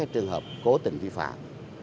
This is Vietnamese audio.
trường hợp cố tình vi phạm